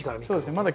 そうですね。